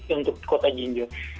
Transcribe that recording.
untuk kota jinjo